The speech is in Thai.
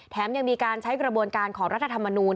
ยังมีการใช้กระบวนการของรัฐธรรมนูล